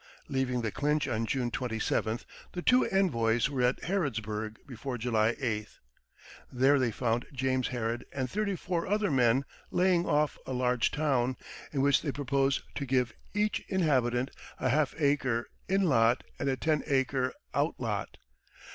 Leaving the Clinch on June twenty seventh, the two envoys were at Harrodsburg before July eighth. There they found James Harrod and thirty four other men laying off a large town, in which they proposed to give each inhabitant a half acre in lot and a ten acre out lot.